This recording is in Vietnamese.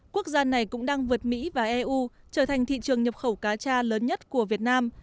quốc gia này cũng đang vượt mỹ và eu trở thành thị trường nhập khẩu cá cha lớn nhất của việt nam